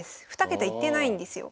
２桁いってないんですよ。